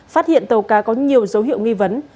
phát hiện tàu cá có nhiều dấu hiệu nghi vấn